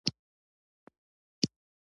چې د شعر در دانې پلورې په مال.